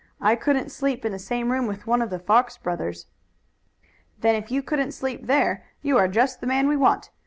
"I couldn't sleep in the same room with one of the Fox brothers." "Then if you couldn't sleep there you are just the man we want.